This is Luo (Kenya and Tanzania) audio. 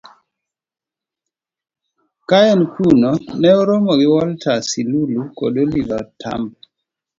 Ka en kuno, ne oromo gi Walter Sisulu kod Oliver Tambo